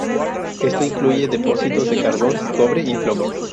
Esto incluye depósitos de carbón, cobre y plomo.